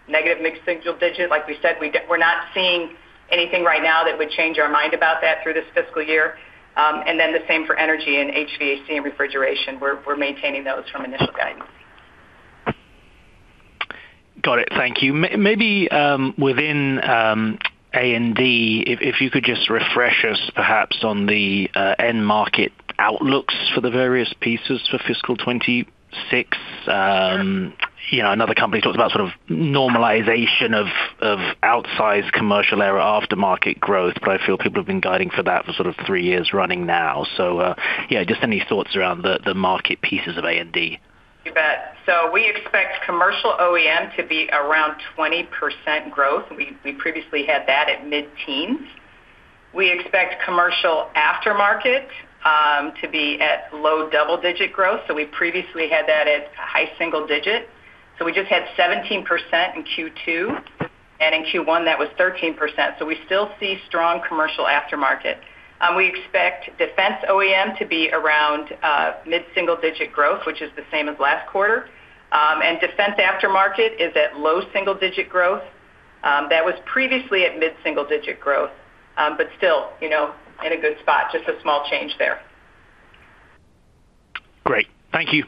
negative mid single-digit. Like we said, we're not seeing anything right now that would change our mind about that through this FY. The same for energy and HVAC and refrigeration. We're maintaining those from initial guidance. Got it. Thank you. Maybe within A and D, if you could just refresh us, perhaps, on the end market outlooks for the various pieces for FY 2026. Another company talked about sort of normalization of outsized commercial aero aftermarket growth, but I feel people have been guiding for that for sort of three years running now. Just any thoughts around the market pieces of A and D? You bet. So we expect commercial OEM to be around 20% growth. We previously had that at mid-teens. We expect commercial aftermarket to be at low double-digit growth. So we previously had that at high single digit. So we just had 17% in Q2, and in Q1, that was 13%. So we still see strong commercial aftermarket. We expect defense OEM to be around mid-single digit growth, which is the same as last quarter. And defense aftermarket is at low single digit growth. That was previously at mid-single digit growth, but still in a good spot. Just a small change there. Great. Thank you. You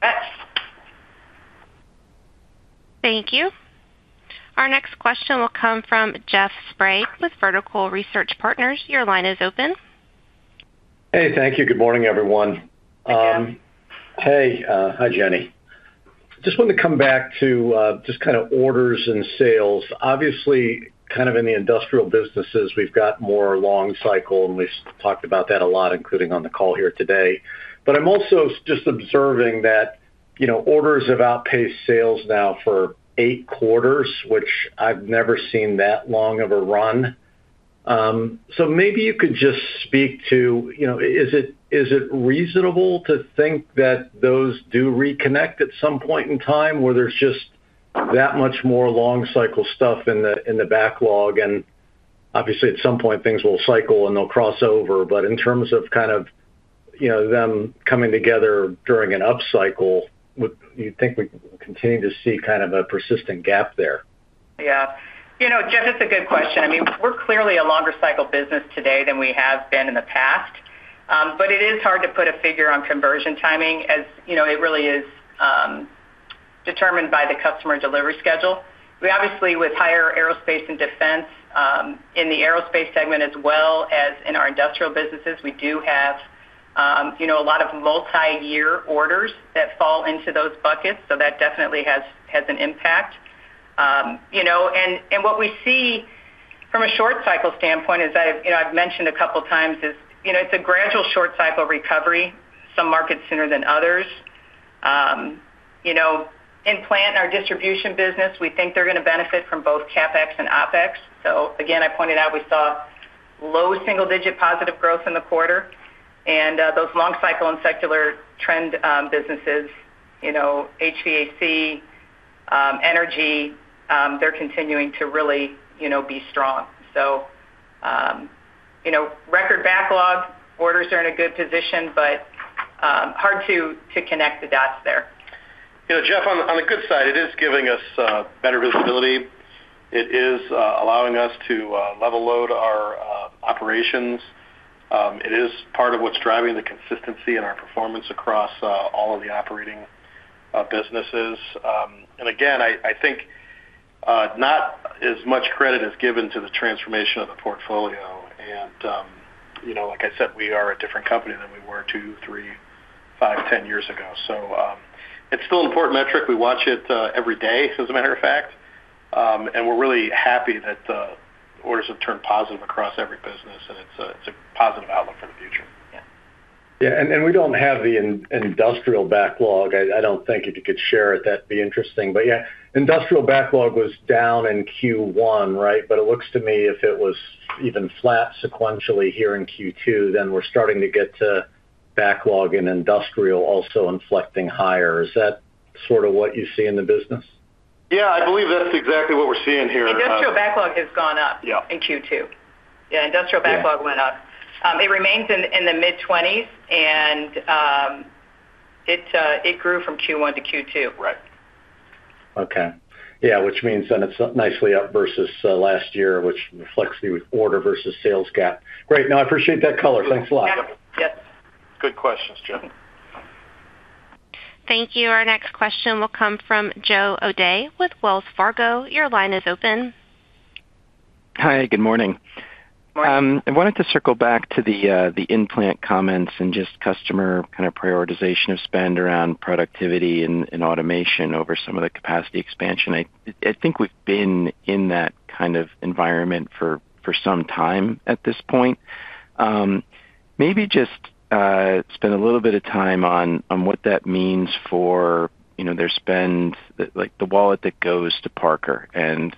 bet. Thank you. Our next question will come from Jeffrey Sprague with Vertical Research Partners. Your line is open. Hey. Thank you. Good morning, everyone. Good morning. Hey. Hi, Jenny. I just wanted to come back to just kind of orders and sales. Obviously, kind of in the industrial businesses, we've got more long cycle, and we've talked about that a lot, including on the call here today. But I'm also just observing that orders have outpaced sales now for 8 quarters, which I've never seen that long of a run. So maybe you could just speak to, is it reasonable to think that those do reconnect at some point in time where there's just that much more long cycle stuff in the backlog? And obviously, at some point, things will cycle and they'll cross over. But in terms of kind of them coming together during an upcycle, you think we continue to see kind of a persistent gap there? Jeff, that's a good question. I mean, we're clearly a longer cycle business today than we have been in the past, but it is hard to put a figure on conversion timing as it really is determined by the customer delivery schedule. Obviously, with higher aerospace and defense in the aerospace segment as well as in our industrial businesses, we do have a lot of multi-year orders that fall into those buckets. So that definitely has an impact. And what we see from a short cycle standpoint is that I've mentioned a couple of times is it's a gradual short cycle recovery, some markets sooner than others. In-plant and our distribution business, we think they're going to benefit from both CapEx and OPEX. So again, I pointed out we saw low single digit positive growth in the quarter. Those long cycle and secular trend businesses, HVAC, energy, they're continuing to really be strong. Record backlog, orders are in a good position, but hard to connect the dots there. Jeff, on the good side, it is giving us better visibility. It is allowing us to level load our operations. It is part of what's driving the consistency in our performance across all of the operating businesses. And again, I think not as much credit is given to the transformation of the portfolio. And like I said, we are a different company than we were 2, 3, 5, 10 years ago. So it's still an important metric. We watch it every day, as a matter of fact. And we're really happy that the orders have turned positive across every business, and it's a positive outlook for the future. And we don't have the industrial backlog. I don't think if you could share it, that'd be interesting. But industrial backlog was down in Q1, right? But it looks to me if it was even flat sequentially here in Q2, then we're starting to get to backlog in industrial also inflecting higher. Is that sort of what you see in the business? I believe that's exactly what we're seeing here. Industrial backlog has gone up in Q2. Industrial backlog went up. It remains in the mid-20s, and it grew from Q1 to Q2. Right. Which means then it's nicely up versus last year, which reflects the order versus sales gap. Great. No, I appreciate that color. Thanks a lot. Yep. Yep. Good questions, Jeff. Thank you. Our next question will come from Joe O'Dea with Wells Fargo. Your line is open. Hi. Good morning. Good morning. I wanted to circle back to the in-plant comments and just customer kind of prioritization of spend around productivity and automation over some of the capacity expansion. I think we've been in that kind of environment for some time at this point. Maybe just spend a little bit of time on what that means for their spend, the wallet that goes to Parker. And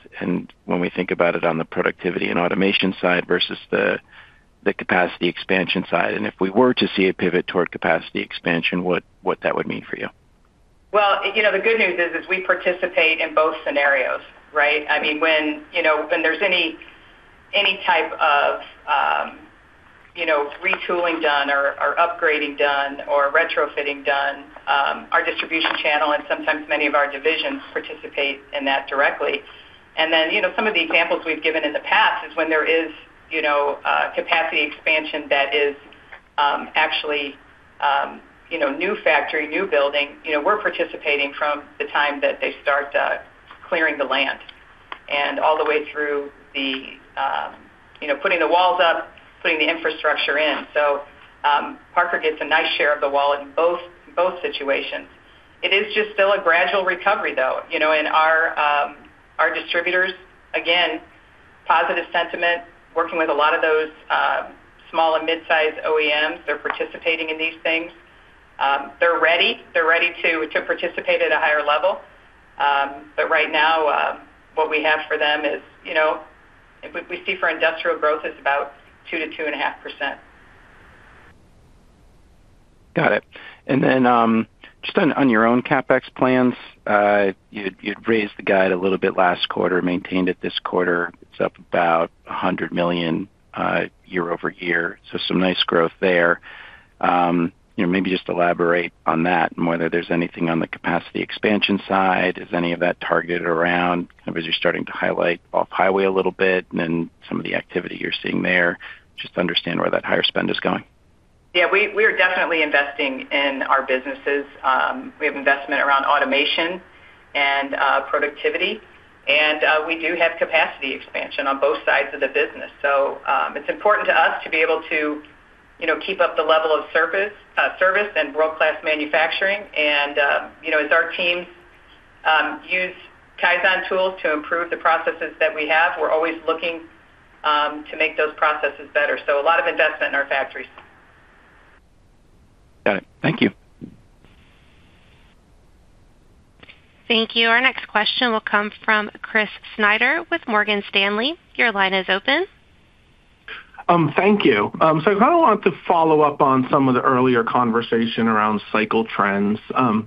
when we think about it on the productivity and automation side versus the capacity expansion side, and if we were to see a pivot toward capacity expansion, what that would mean for you? The good news is we participate in both scenarios, right? I mean, when there's any type of retooling done or upgrading done or retrofitting done, our distribution channel and sometimes many of our divisions participate in that directly. And then some of the examples we've given in the past is when there is capacity expansion that is actually new factory, new building, we're participating from the time that they start clearing the land and all the way through the putting the walls up, putting the infrastructure in. So Parker gets a nice share of the wallet in both situations. It is just still a gradual recovery, though. And our distributors, again, positive sentiment, working with a lot of those small and mid-sized OEMs. They're participating in these things. They're ready. They're ready to participate at a higher level. Right now, what we have for them is we see for industrial growth is about 2%-2.5%. Got it. And then just on your own CapEx plans, you'd raised the guide a little bit last quarter, maintained it this quarter. It's up about $100 million year-over-year. So some nice growth there. Maybe just elaborate on that and whether there's anything on the capacity expansion side. Is any of that targeted around, as you're starting to highlight off-highway a little bit, and then some of the activity you're seeing there? Just to understand where that higher spend is going? We are definitely investing in our businesses. We have investment around automation and productivity. We do have capacity expansion on both sides of the business. It's important to us to be able to keep up the level of service and world-class manufacturing. As our teams use Kaizen tools to improve the processes that we have, we're always looking to make those processes better. A lot of investment in our factories. Got it. Thank you. Thank you. Our next question will come from Chris Snyder with Morgan Stanley. Your line is open. Thank you. So I kind of wanted to follow up on some of the earlier conversation around cycle trends.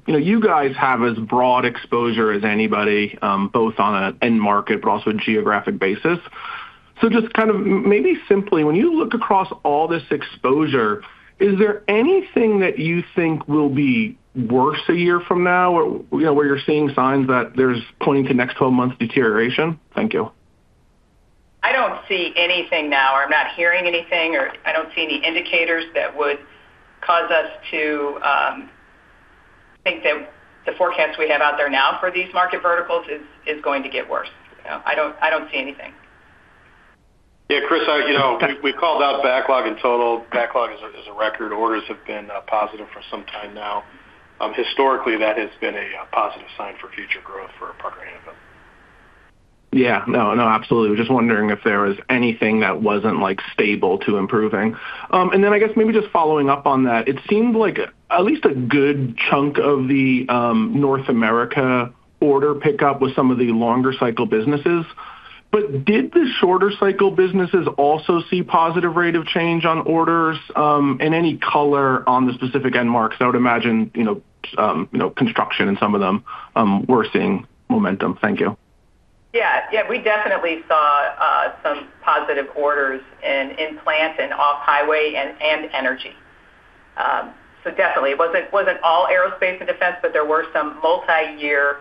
You guys have as broad exposure as anybody, both on an end market but also a geographic basis. So just kind of maybe simply, when you look across all this exposure, is there anything that you think will be worse a year from now where you're seeing signs that there's pointing to next 12 months' deterioration? Thank you. I don't see anything now, or I'm not hearing anything, or I don't see any indicators that would cause us to think that the forecast we have out there now for these market verticals is going to get worse. I don't see anything. Chris, we've called out backlog in total. Backlog is a record. Orders have been positive for some time now. Historically, that has been a positive sign for future growth for Parker Hannifin. No, absolutely. We're just wondering if there was anything that wasn't stable to improving. And then I guess maybe just following up on that, it seemed like at least a good chunk of the North America order pickup was some of the longer cycle businesses. But did the shorter cycle businesses also see positive rate of change on orders? And any color on the specific end markets? I would imagine construction and some of them were seeing momentum. Thank you. We definitely saw some positive orders in-plant and off-highway and energy. So definitely. It wasn't all aerospace and defense, but there were some multi-year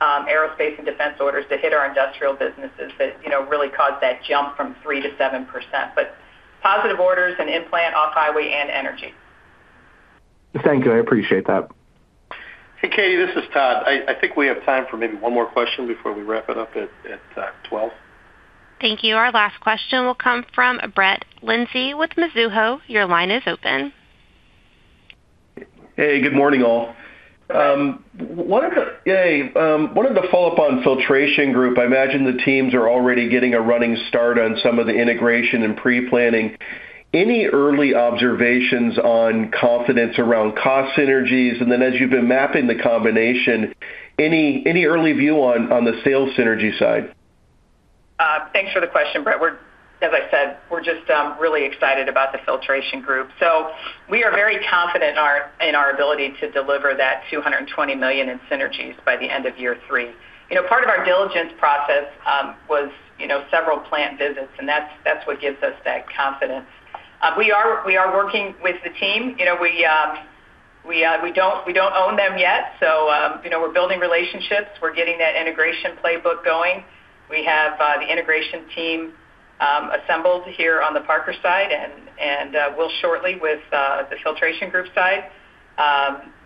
aerospace and defense orders that hit our industrial businesses that really caused that jump from 3%-7%. But positive orders in-plant, off-highway, and energy. Thank you. I appreciate that. Hey, Katie. This is Todd. I think we have time for maybe one more question before we wrap it up at 12:00 P.M. Thank you. Our last question will come from Brett Linzey with Mizuho. Your line is open. Hey. Good morning, all. Hey. One of the follow-up on Filtration Group, I imagine the teams are already getting a running start on some of the integration and pre-planning. Any early observations on confidence around cost synergies? And then as you've been mapping the combination, any early view on the sales synergy side? Thanks for the question, Brett. As I said, we're just really excited about the Filtration Group. So we are very confident in our ability to deliver that $220 million in synergies by the end of year three. Part of our diligence process was several plant visits, and that's what gives us that confidence. We are working with the team. We don't own them yet. So we're building relationships. We're getting that integration playbook going. We have the integration team assembled here on the Parker side and will shortly with the Filtration Group side.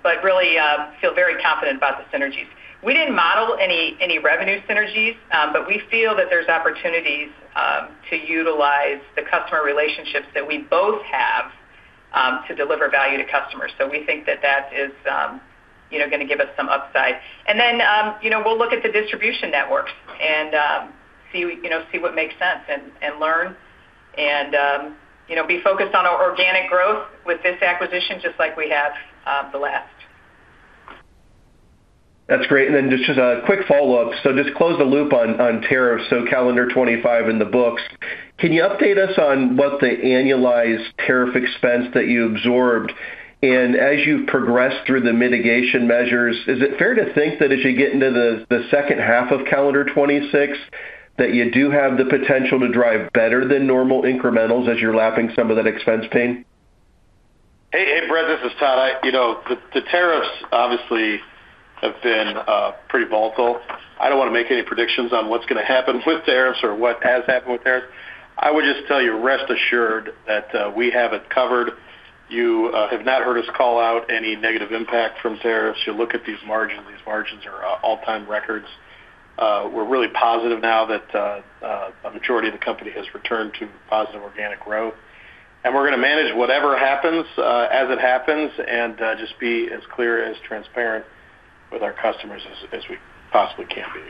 But really, feel very confident about the synergies. We didn't model any revenue synergies, but we feel that there's opportunities to utilize the customer relationships that we both have to deliver value to customers. So we think that that is going to give us some upside. And then we'll look at the distribution networks and see what makes sense and learn and be focused on our organic growth with this acquisition just like we have the last. That's great. And then just a quick follow-up. So just close the loop on tariffs. So calendar 2025 in the books. Can you update us on what the annualized tariff expense that you absorbed and as you've progressed through the mitigation measures? Is it fair to think that as you get into the H2 of calendar 2026, that you do have the potential to drive better than normal incrementals as you're lapping some of that expense pain? Hey, Brett, this is Todd. The tariffs obviously have been pretty volatile. I don't want to make any predictions on what's going to happen with tariffs or what has happened with tariffs. I would just tell you, rest assured that we have it covered. You have not heard us call out any negative impact from tariffs. You look at these margins. These margins are all-time records. We're really positive now that a majority of the company has returned to positive organic growth. We're going to manage whatever happens as it happens and just be as clear as transparent with our customers as we possibly can be.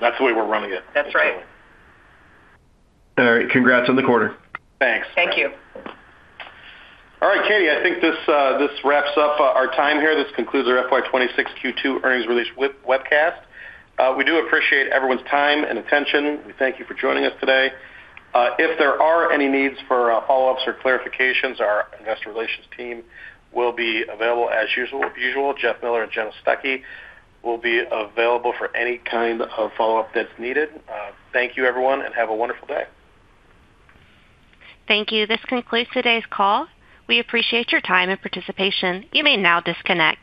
That's the way we're running it. That's right. All right. Congrats on the quarter. Thanks. Thank you. All right, Katie. I think this wraps up our time here. This concludes our FY26 Q2 earnings release with webcast. We do appreciate everyone's time and attention. We thank you for joining us today. If there are any needs for follow-ups or clarifications, our investor relations team will be available as usual. Jeff Miller and Jenna Stuckey will be available for any kind of follow-up that's needed. Thank you, everyone, and have a wonderful day. Thank you. This concludes today's call. We appreciate your time and participation. You may now disconnect.